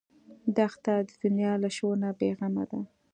دښته د دنیا له شور نه بېغمه ده.